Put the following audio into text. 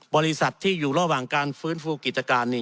บริษัทที่อยู่ระหว่างการฟื้นฟูกิจการ